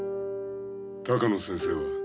鷹野先生は。